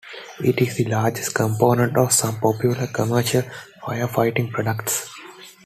It is the largest component of some popular commercial firefighting products.